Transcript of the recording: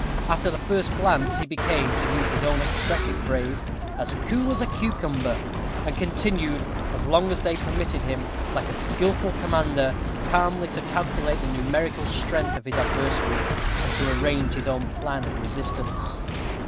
After the first glance, he became, to use his own expressive phrase, "as cool as a cucumber;" and continued, as long as they permitted him, like a skilful commander, calmly to calculate the numerical strength of his adversaries, and to arrange his own plan of resistance.